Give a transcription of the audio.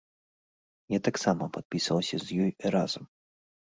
Я таксама падпісваўся з ёй разам.